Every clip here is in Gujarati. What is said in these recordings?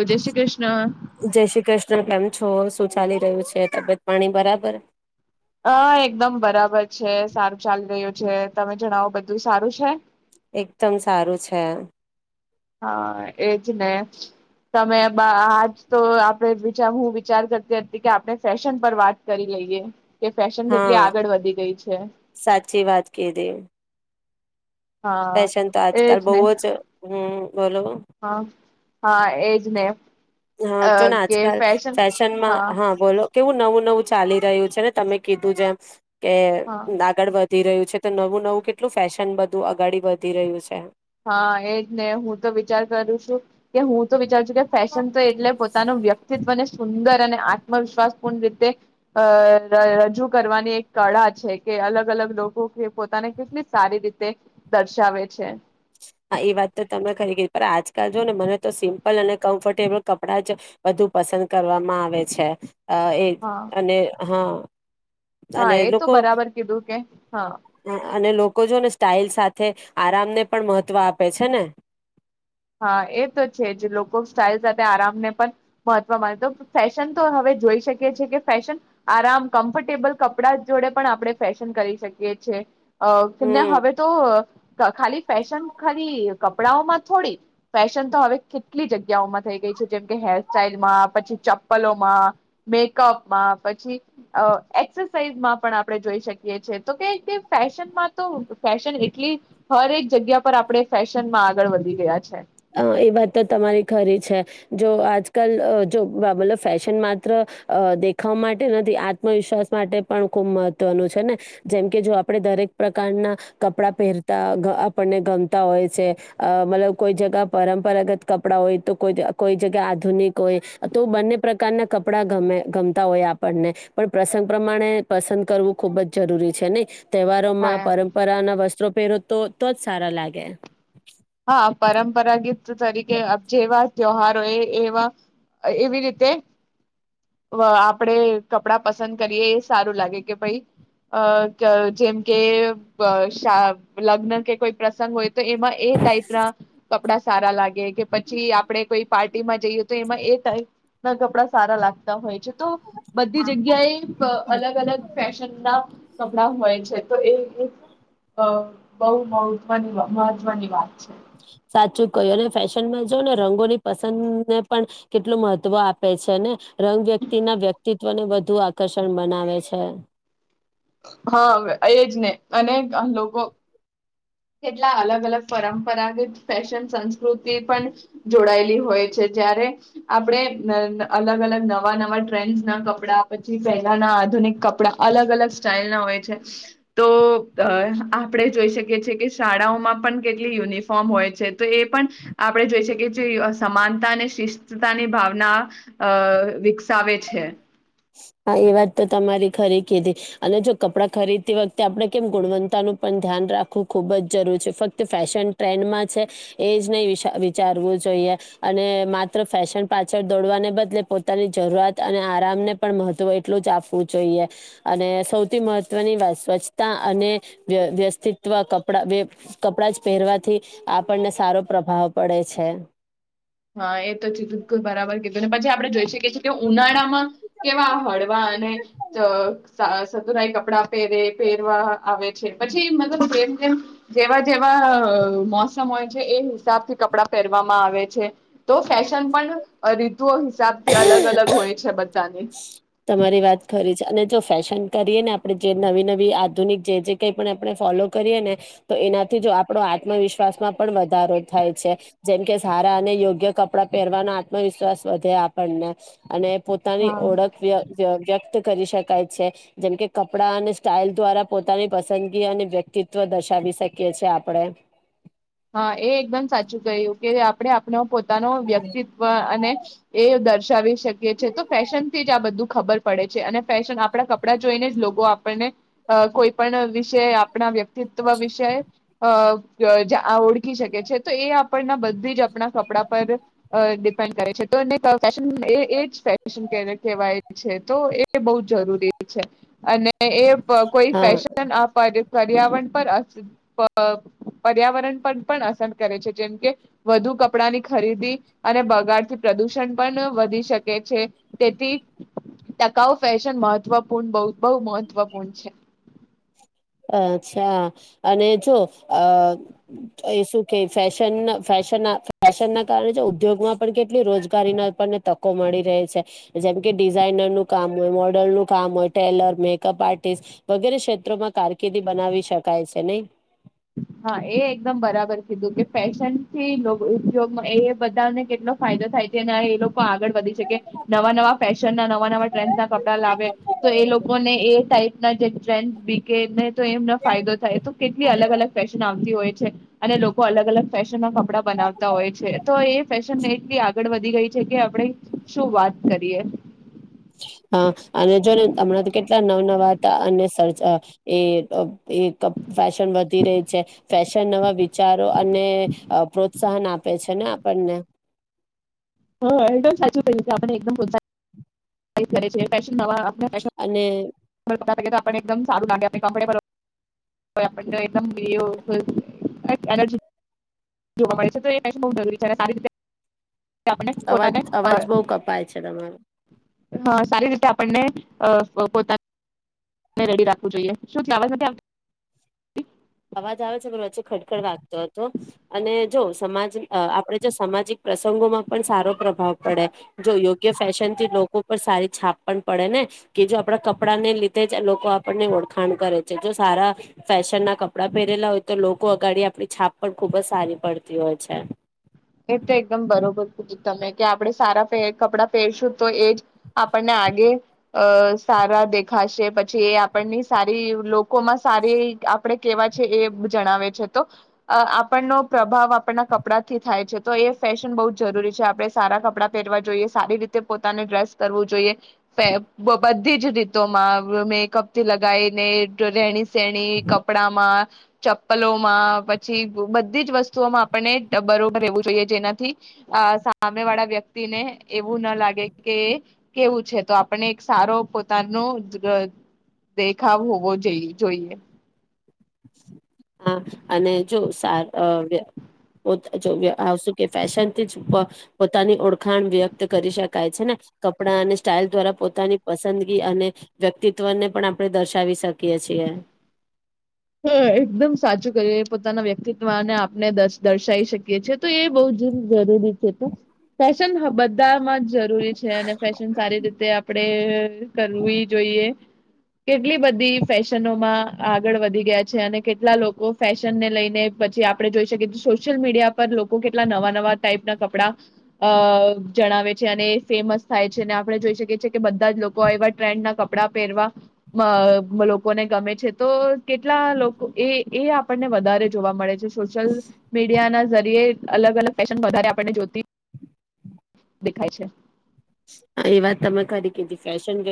જય શ્રી કૃષ્ણ. જય શ્રી કૃષ્ણ [unintelligible] છો શું ચાલી, રહ્યું છે, તબિયત પાણી બરાબર? હા એકદમ બરાબર છે, સારું ચાલી રહ્યું છે. છે. તમે જણાવો બધું સારું છે? એકદમ સારું છે. હા, એજ ને. તમે બા આજ તો આપણે ચાહું હું વિચાર કરતી હતી કે, આપણે ફેશન પર વાત કરી લઈએ. કે ફેશન હા કેટલી આગળ વધી ગઈ છે. સાચી વાત કીધી હા. ફેશન તો આજકાલ એજ ને બોવ જ હમ અ બોલો હા હા, એજ ને. હા, અ જો ને કે આજકાલ ફેશન ફેશનમાં હા, બોલો. કેવું નવું નવું ચાલી રહ્યું છે ને, તમે કીધું જેમ. કે હા આગળ વધ વધી રહ્યું છે, તો નવું નવું કેટલું ફેશન બધું અગાડી વધી રહ્યું છે. હા, એ જ ને. હું તો વિચાર કરું છું કે, હું તો વિચાર એટલે ફેશન તો એટલે પોતાનું વ્યક્તિત્વને સુંદર અને આત્મવિશ્વાસપૂર્ણ રીતે અહ રજૂ કરવાની એક કળા છે, કે અલગ અલગ લોકો કે પોતાને કેટલી સારી રીતે દર્શાવે છે. હા, એ વાત તો તમે ખરી કીધી, પર આજકાલ જો ને મને તો સિમ્પલ અને કમ્ફર્ટેબલ કપડાંજ બધુ પસંદ કરવામાં આવે છે. અ એ હા અને હા. હા અને એ તો લોકો, બરાબર કીધું કે હા અને લોકો જોને સ્ટાાઈલ સાથે આરામને પણ મહત મહત્વ આપે છે, ને હા, એતો છેજ. લોકો સ્ટાઇલ સાથે આરામને પણ મહત્વ માને તો ફેશન તો હવે જોઈ શકીએ છેીએ, કે ફેશન, આરામ કમ્ફર્ટેબલ કપડા જોડે પણ આપણે ફેશન કરી શકીએ છે. અહ [unintelligible] અને હમ હવે તો ખાલી ફેશન, ખાલી કપડાઓ માં થોડી ફેશન તો હવે કેટલી જગ્યાઓમાં થઈ ગઈ છે, જેમ કે હેરસ્ટાઈલમાં, પછી ચપ્પલોમાં, મેકઅપમાં પછી એક્સાઇઝમાં, પણ આપણે જોઈ શકીએ છીએ, તો કે ફેશનમાં તો ફેશન એટલી હરેક જગ્યા પર આપણે ફેશન ફેશન માં આગળ વધી ગયા છે. અ એ વાત તો તમારી ખરી છે. જો આજકાલ, જો મતલબ ફેશન માત્ર દેખાવ માટે નથી, આત્મવિશ્વાસ માટે પણ ખૂબ મહત્વનું છે ને, જેમકે જો આપણે દરેક પ્રકારના કપડા પહેરતા આપણને ગમતા હોય છે. અ મતલબ કોઈ જગ્યા પરંપરાગત કપડાં હોય, તોઈ કોઈ જગ્યા આધુનિક હોય, તો બંને પ્રકારના કપડા ગમે ગમતા હોય આપણને, પણ પ્રસંગ પ્રમાણે પસંદ કરવું, ખુબજ જરૂરી છે નઈ. તહેવારોમાં હા પરંપરાના વસ્ત્રો પેરો તો, તોજ સારા લાગે. હા, પરંપરાગીત તરીકે જેવા ત્યહાર હોય એવા એવી રીતે આપડે કપડાં પસંદ કરીએ એ સારું લાગે કે, ભાઈ જેમ કે લગ્ન કે કોઈ પ્રસંગ હોય તો એમાં એ ટાઈપ ના કપડા સારા લાગે, કે પછી આપડે કોઈ પાર્ટીમાં જઈએ, તો એમાં એ ટાઈપ ના કપડા સારા લાગતા હોય છે. તો બધી જગ્યા એ અલગ અલગ ફેશન ના કપડા હોય છે. તો એ એક બહુ મહવની મહત્વની વાત છે. સાચું કય્યું અને ફેશનમાં જો ને રંગોની પસંદને પણ કેટલું મહત્વ આપે છે ને રંગ વ્યક્તિ ના વ્યક્તિત્ તત્વને વધુ આકર્ષણ બનાવે છે. હા, એજ ને અને લોકો કેટલા અલગ અલગ પરંપરાગત ફેશન સંસ્ કૃતિ પણ જોડાયેલી હોય છે, જયારે આપણે અલગ અલગ નવા નવા ટ્રેન્ડસ ના કપડા, પછી પહેલાના આધુનિક કપડા અલગ અલગ સ્ટાઈલ ના હોય છે તો આપણેે જોઈ શકીએ છીએ કે શાળાઓમાં પણ કેટલી યુનિફોર્મ હોય છે, તો એ પણ આપણે જોઈ શકીએ જે સમાનતા અને શિસ્તતાની ભાવના વિકસાવે છે. હા, એ વાત તો તમારી ખરી કીધી અને જો કપડાં ખરીદતી વખતે આપણે કેમ ગુણવત્તાનું પણ ધ્યાન રાખવું ખુબ જ જરૂર છે, ફક્ત ફેશન ટ્રેન્ડમાં છે એજ નહીં વિચારવું જોઈએ અને માત્ર ફેશન પાછળ દોડવાને બદલે પોતાની જરૂરત અને આરામને પણ મહત્વ એટલુંજ આપવું જોઈએ અને સૌથી મહત્વની વાત સ્વચ્છતા અને વ્યસ્તિત્વ કપડા કપડા જ પહેરવાથી આપણને સારો પ્રભાવ પડે છે. હા, એ તો બિલકુલ બરાબર કીધું, પછી આપણે જોઈ શકીએ છીએ કેવું ઉનાળામાં કેવા હળવા અને સતુરાઈ કપડાં પહેરે પહેરવા આવે છે, પછી મતલબ જેમ જેમ જેવા જેવા મોસમ હોય છે એ હિસાબ થી કપડા પહેરવામાં આવે છે. તો ફેશન પણ રીતુઓ હિસાબથી અલગ અલગ હોય છે બધ તમારી વાત ખરી છે અને જો ફેશન કરીએ ને આપણે જે નવી નવી આધુનિક જે જે કઈ પણ આપણે ફોલો કરીએ ને તો એનાથી જ આપણો આત્મવિશ્વાસમાં પણ વધારો થાય છે, જેમકે સારા અને યોગ્ય કપડા પહેરવાનો આત્મવિશ્વાસ વધે આપણને અને તાની હા ઓળખ વ વ્યક્ત કરી શકાય છે, જેમ કે કપડા અને સ્ટાઇલ દ્વારા પોતાની પસંદગી અને વ્યક્તિત્વ દર્શાવી શકીએ છે આપણેે. હા. એ એકદમ સાચું ક્યું કે, આપણે આપણે પોતે પોતા નો વ્યક્તિત્વ અને એ દર્શાવી શકી છે તો ફેશન થી જ આ બધું ખબર પડે છે અને ફેશન આપણા કપડા જોઈને જ લોકો આપણને કોઈ પણ વિષે આપણા વ્યક્ વ્યક્તિત્વ વિષય અહ [unintelligible] આ ઓળખી શકે છે તો એ આપણના બધી જ આપણા કપડાં પર ડિપેન્ડ કરે છે, તો એ જ ફેશન કહેવાય છે તો એ બહુ જ જરૂરી છે. અને એ કોઈ હા ફશન આપ પર્યાવરણ પર પર્યાવરણ પણ અસર કરે છે જેમ કે વધુ કપડાની ખરીદી અને બગાડથી પ્રદૂષણ પણ વધી શકે છે, તેથી ટકાઉ ફેશન મહત્વપૂર્ણ બવ બહુ મહત્વપૂર્ણ છે. અચ્છા અને જો અ એ શું કે ફેશન, ફેશન, ફેશન ના કારણે ઉદ્યોગમાં પણ કેટલી રોજગારીના આપણને તકો મળી રહે છે જેમ કે ડિઝાઇનરનું કામ હોય, મોડલનું કામ હોય, ટેલર, મેકઅપ, આર્ટિસ્ટ વગેરે ક્ષેત્રોમાં કાર [unintelligible] બનાવી શકાય છે નહીં. હા તે લોકો ઉદ્યોગ, એ બધાને કેટલો ફાયદો થાય છે અને એ લોકો. આગળ વધી શકે, નવા નવા ફેશનના, નવા નવા ટ્રેન્ડના કપડા લાવે, તો એ લોકોને એ ટાઇપ. જે ટ્રેન્ બી કેને [unintelligible] તો એમને ફાયદો થાય, તો કેટલી અલગ અલગ. નામથી હોય છે અને લોકો અલગ અલગ ફેશનમાં. કપડાં બનાવતા હોય છે, તો એ ફેશનને એટલી આગળ વધી. [unintelligible] ગઈ છે કે. આપડે શું વાત. કરીએ હા, અને જો ને, હમણાં તો કેટલા નવા નવા હતા અને [unintelligible] એ એ ત ફેશન વધી રહી છે, ફેશન નવા વિચારો અને. પ્રોત્સાહન આપે છે ને આપણને. હા એકદમ સાચું કહ્યું છે. આપડને એકદમ. [unintelligible] [unintelligible] તે અને આપણને એકદમ સારું લાગે અને કમ્ફર્ટેબલ લાગે [unintelligible] અવાજ અવાજ બહુ કપાય છે તમારો. હા સારી રીતે આપણને અ પોતા. રેડી રાખવું જોઈએ, શું [unintelligible] છે? અવાજ આવે છે, પણ વચ્ચે ખડખડ વાગતો હતો. અને જો સમાજ, આપડે જો સામાજિક પ્રસંગોમાં પણ સારો પ્રભાવ પડે. જો યોગ્ય ફેશનથી લોકો પર સારી છાપ પણ પડે ને, કે જો આપણા કપડાંને લીધે જ લોકો આપણને ઓળખાણ કરે છે. જો સારા ફેશનના. [unintelligible] કપડાં પહેરેલા હોય તો લોકો આગળ આપણી છાપ પણ ખૂબ જ સારી પડતી હોય છે. એ તો એકદમ બરોબર કહ્યું તમે કે આપડે સારા કપડાં પહેરશું. તો એ જ આપણને આગે. અ સારા દેખાશે, પછી એ આપણની સારી લોકોમાં, સારી આપણે કેવા છે એ જણાવે છે, તો આપણનો પ્રભાવ આપણના કપડાથી. થાય છે, તો એ ફેશન બહુ જરૂરી છે. આપડણે સારા કપડાં પહેરવા જોઈએ, સારી રીતે પોતાને ડ્રેસ કરવું જોઈએ, બધી જ રીતોમાં મેકઅપથી લગાવીને રહે. [unintelligible] કપડામાં. ચપ્પલોમાં, પછી બધી જ વસ્તુઓમાં આપણને બરોબર. રહેવું જોઈએ, જેનાથી સામે વાળા વ્યક્તિને એવું ના લાગે કે કેવું છે. તો આપણને એક સારો પોતાનો દેખાવ હોવો જોઈએ. હા, અને જો. [unintelligible] ફેશનથી જ પોતાની ઓળખ. ખાણ વ્યક્ત કરી શકાય છે ને, કપડાં અને સ્ટાઇલ દ્વારા. પોતાની પસંદગી અને વ્યક્તિત્વને પણ આપણે દર્શાવી શકીએ છીએ. હા, એકદમ સાચું કર્યું. પોતાના વ્યક્તિત્વને આપને દર્શાવી શકીએ છીએ, તો એ બહુ જ જરૂરી [unintelligible] ફેશન બધામાં જ જરૂરી છે અને ફેશન સારી રીતે આપણે કરવી જોઈએ. કેટલી બધી ફેશનોમાં આગળ વધી- ગયા છે અને કેટલા લોકો ફેશન ને લઈને પછી આપણે જોઈ શકીએએ સોશિયલ મીડિયા પર લોકો કેટલા નવા-નવા ટાઈપ ના કપડા અ જણાવે છે અને ફેમસ થાય છે અને આપણે જોઈ શકીએ છે કે કે બધા જ લોકો એવા ટ્રેન્ડના કપડાં કપડા પહેરવા અ લોકોને ગમે છે તો કેટલા લોકો એ એ આપણને વધારે જોવા મળે છે. સોશિયલ મીડિયા ના જરીએ. અલગ-અલગ ફેશન વધારે આપણને જોતી દેખાય છે.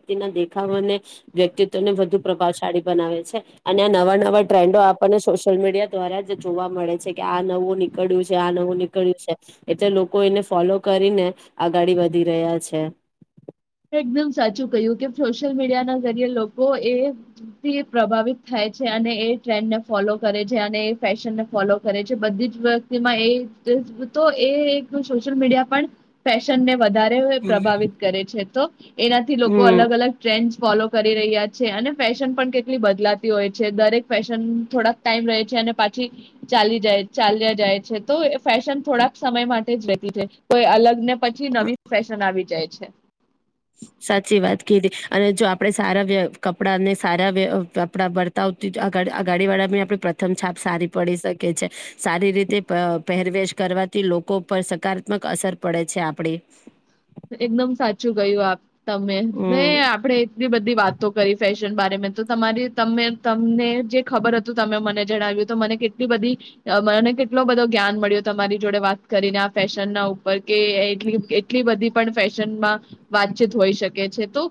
વક્તિ ના દેખાવ અને વ્યક્તિત્વ ને વધુ પ્રભાવશાળી બનાવે છે અને આ નવા નવા ટ્રેન્ડો આપણને સોશિયલ મીડિયા દ્વારા જ જોવા મળે છે કે આ નવું નીકળ્યું છે આ નવું નીકળ્યું છે એટલે લોકો એને ફોલો કરીને આગળી વધી રહ્યા છે. એકદમ સાચું કહ્યું કે સોશિયલ મીડિયા ના જરીએ લોકો એ પ્રભાવિત થાય છે અને એ ટ્રેન્ડ ને ફોલો કરે છે અને એ ફેશનને ફોલો કરે છે બધી જ વ્યતિમાં એ તો એ એક સોશિયલ મીડિયા પણ ફેશન ને વધારે પ્રભાવિત કરે છે. તો એનાથી લોકો હમ અલગ-અલગ ટ્રેન્ડ ફોલો કરી રહ્યા છે અને ફેશન પણ કેટલી બદલાતી હોય છે દરેક ફેશન થોડાક ટાઈમ રહે છે અને પાછી ચાલી જાય ચાલ્યા જાય છે તો ફેશન થોડાક સમય માટે જ રહેતી છે કોઈ અલગને પછી નવી ફેશન આવી જાય છે. સાચી વાત કીધી અને જો આપણે સારા કપડાને સારા કપડા વર્તાવતી અગાડી વાળામાં આપણે પ્રથમ છાપ સારી પડી શકે છે સારી રીતે પહેરવેશ કરવાથી લોકો પર સકારાત્મક અસર પડે છે આપડી. એકદમ સાચું ગયું આપ. તમે ને હમ આપડે એટલી બધી વાતો કરી ફ તો તમારી ત તમને જે ખબર હતું તમે મને જણાવ્યું તો મને કેટલી બધી મને કેટલો બધો જ્ઞાન મળ્યું તમારી જોડે વાત કરીને આ ફેશન ના ઉપર કે એટલી બધી. પણ ફેશનમાં વાતચીત હોઈ શકે છે તો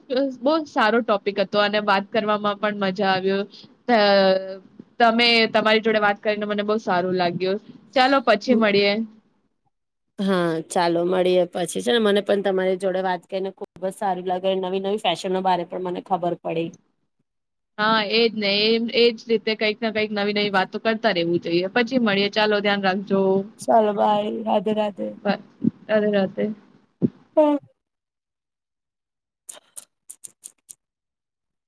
બહુ સારો ટોપિક હતો અને વાત કરવામાં પણ મજા આવ્યો તમે તમારી જોડે વાત કરીને મને બહુ સારું લાગ્યું. ચાલો પછી મળીએ. હા ચાલો મળીએ પછી છે ને મને પણ તમારી જોડે વાત કરીને ખુબ જ સારી લાગે નવી નવી ફેશનો બારામાં મને ખબર પડી. હા એજ ને એ એજ રીતે. કંઈકને કંઈક નવી નવી વાતો કરતા રહેવું. જોઈએ પછી મળીએ ચાલો ધ્યાન રાખજે. ચાલો બાય રાધે રાધે બ- રાધે રાધે હમ.